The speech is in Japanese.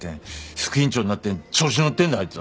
副院長になって調子のってんだあいつは。